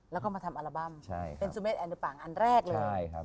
แล้วก็มาทำอัลบั้มเป็นสุมเมฆดูปังอันแรกเลย